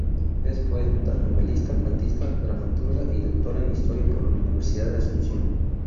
Es poeta, novelista, cuentista, dramaturga y Doctora en Historia por la Universidad de Asunción.